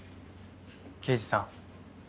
刑事さん